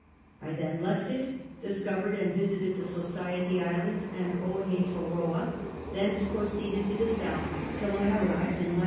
I then left it ; discovered and visited the Society Isles and Olietoroa ; thence proceeded to the south till I arrived in lat.